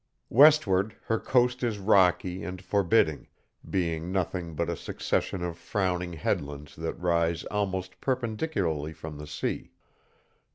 Westward her coast is rocky and forbidding, being nothing but a succession of frowning headlands that rise almost perpendicularly from the sea.